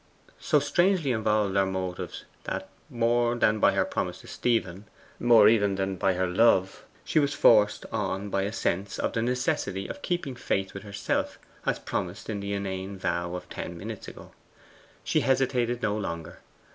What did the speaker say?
So strangely involved are motives that, more than by her promise to Stephen, more even than by her love, she was forced on by a sense of the necessity of keeping faith with herself, as promised in the inane vow of ten minutes ago. She hesitated no longer.